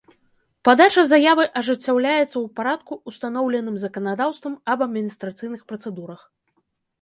Падача заявы ажыццяўляецца ў парадку, устаноўленым заканадаўствам аб адмiнiстрацыйных працэдурах.